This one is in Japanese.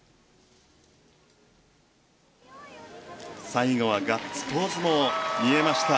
最後はガッツポーズも見えました。